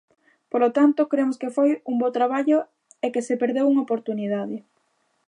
Por tanto, cremos que foi un bo traballo e que se perdeu unha oportunidade.